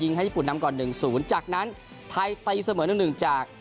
ยิงให้ญี่ปุ่นนำก่อนหนึ่งศูนย์จากนั้นทายตายเสมอหนึ่งจาก